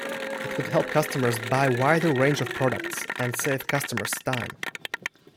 It could help customers buy wider range of products and save customers' time.